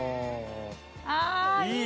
ああいい！